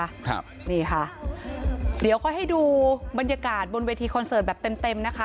ครับนี่ค่ะเดี๋ยวค่อยให้ดูบรรยากาศบนเวทีคอนเสิร์ตแบบเต็มเต็มนะคะ